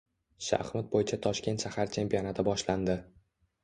Shaxmat bo‘yicha toshkent shahar chempionati boshlandi